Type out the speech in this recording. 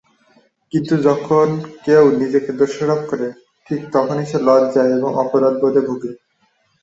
কিন্তু যখন কেউ নিজেকে দোষারোপ করে, ঠিক তখনি সে লজ্জা এবং অপরাধ-বোধে ভুগে।